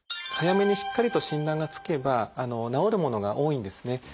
早めにしっかりと診断がつけば治るものが多いんですね。